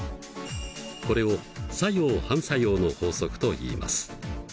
これを作用反作用の法則といいます。